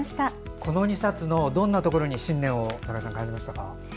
この２冊のどんなところに信念を感じましたか？